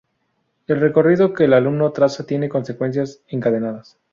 El recorrido que el alumno traza tiene consecuencias encadenadas.